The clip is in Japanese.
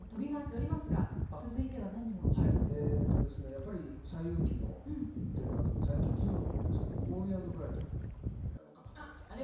やっぱり「西遊記」のテーマ曲「西遊記Ⅱ」の方ですけども「ホーリー＆ブライト」をやろうかなと思うんですけど。